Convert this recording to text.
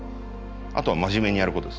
あとは真面目にやることです。